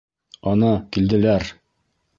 Ана, килделәр!